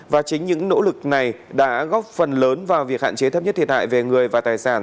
và chính những nỗ lực này đã góp phần lớn vào việc hạn chế thấp nhất thiệt hại về người và tài sản